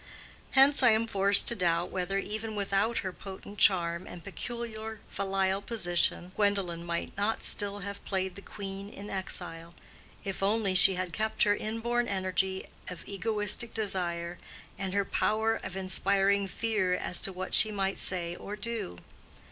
Hence I am forced to doubt whether even without her potent charm and peculiar filial position Gwendolen might not still have played the queen in exile, if only she had kept her inborn energy of egoistic desire, and her power of inspiring fear as to what she might say or do.